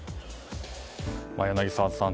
柳澤さん